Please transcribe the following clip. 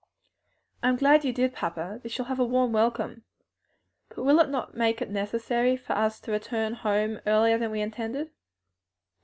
"I am glad you did, papa; they shall have a warm welcome. But will it not make it necessary for us to return home earlier than we intended?"